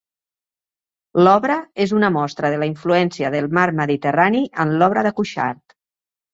L'obra és una mostra de la influència del Mar Mediterrani en l'obra de Cuixart.